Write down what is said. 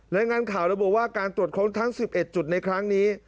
รายงานข่าวระบุว่าการตรวจค้นทั้ง๑๑จุดในครั้งนี้